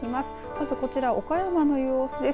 まずこちら岡山の様子です。